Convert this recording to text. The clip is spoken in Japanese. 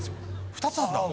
２つあるんだ。